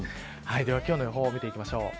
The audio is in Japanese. では今日の予報を見ていきます。